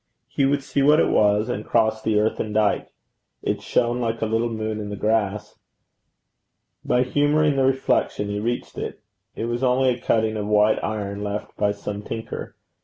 He would see what it was, and crossed the earthen dyke. It shone like a little moon in the grass. By humouring the reflection he reached it. It was only a cutting of white iron, left by some tinker.